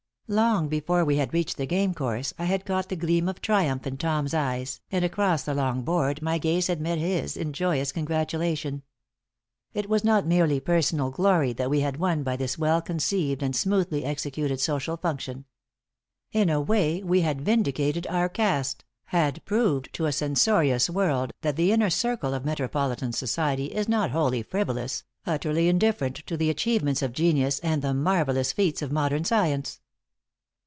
Long before we had reached the game course I had caught the gleam of triumph in Tom's eyes, and across the long board my gaze had met his in joyous congratulation. It was not merely personal glory that we had won by this well conceived and smoothly executed social function. In a way, we had vindicated our caste, had proved to a censorious world that the inner circle of metropolitan society is not wholly frivolous, utterly indifferent to the achievements of genius and the marvelous feats of modern science.